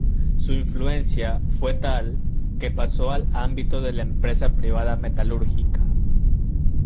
Su influencia fue tal que pasó al ámbito de la empresa privada metalúrgica.